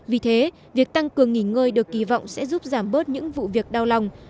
vì thế việc tăng cường nghỉ ngơi được kỳ vọng sẽ giúp giảm bớt những vụ việc đau lòng